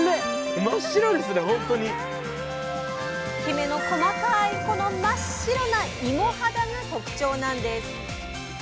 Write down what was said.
きめの細かいこの真っ白ないも肌が特徴なんです。